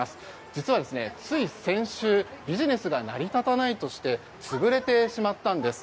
実は、つい先週ビジネスが成り立たないとして潰れてしまったんです。